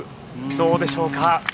どうでしょうか。